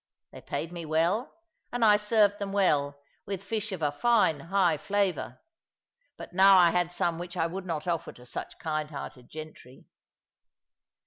They paid me well, and I served them well with fish of a fine high flavour; but now I had some which I would not offer to such kind hearted gentry.